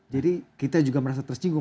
jadi kita juga merasa tersinggung